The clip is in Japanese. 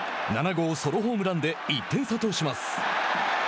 ７号ソロホームランで１点差とします。